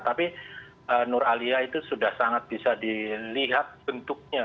tapi nur alia itu sudah sangat bisa dilihat bentuknya